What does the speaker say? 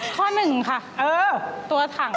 ข้อหนึ่งค่ะตัวถัง